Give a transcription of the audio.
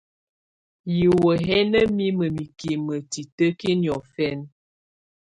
Hiwǝ́ hɛ̀ nà mimǝ mikimǝ titǝkiǝ niɔ̀fɛ̀na.